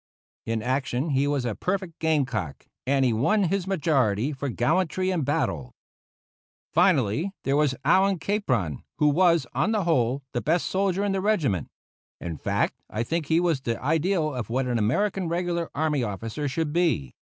In action he was a perfect game cock, and he won his majority for gallantry in battle. Finally, there was Allyn Capron, who was, on the whole, the best soldier in the regiment. In fact, I think he was the ideal of what an American regular army officer should be.